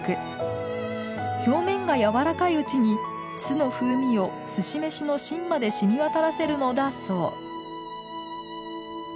表面が柔らかいうちに酢の風味をすし飯の芯までしみ渡らせるのだそう。